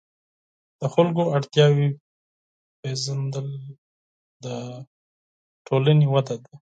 د خلکو اړتیاوې پېژندل د ټولنې وده ده.